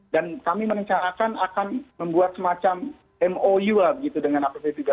dan kami merencanakan akan membuat semacam mou a gitu dengan app bipa